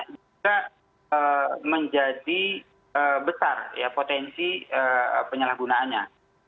juga menjadi besar ya potensi penyalahgunaannya